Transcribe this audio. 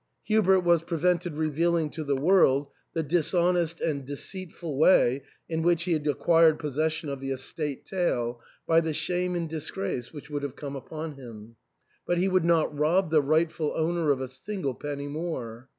Hubert was prevented revealing to the world the dishonest and deceitful way in which he had acquired possession of the estate tail by the shame and disgrace which would have come upon him ; but he would not rob the rightful owner of a single penny more.